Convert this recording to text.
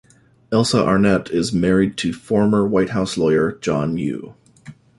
Elsa Arnett is married to former White House lawyer John Yoo.